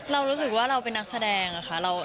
เรารู้สึกว่าเราเป็นนักแสดงอะค่ะ